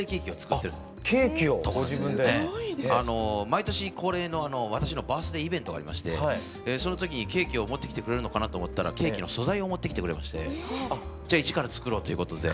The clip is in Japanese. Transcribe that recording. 毎年恒例の私のバースデーイベントがありましてその時にケーキを持ってきてくれるのかなと思ったらケーキの素材を持ってきてくれましてじゃ一から作ろうということで。